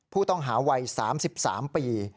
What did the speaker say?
ผู้ต้องหาวัย๓๓ปี